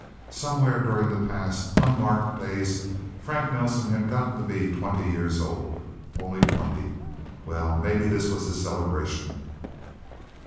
Somewhere during the past, unmarked days Frank Nelsen had gotten to be twenty years old. Only twenty? Well maybe this was his celebration.